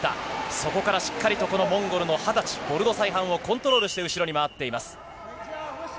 そこからしっかりとこのモンゴルの２０歳、ボルドサイハンをコントロールして、後ろに回っています。